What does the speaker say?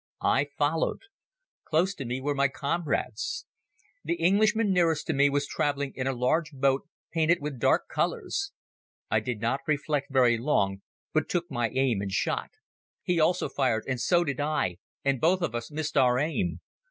I followed. Close to me were my comrades. The Englishman nearest to me was traveling in a large boat painted with dark colors. I did not reflect very long but took my aim and shot. He also fired and so did I, and both of us missed our aim.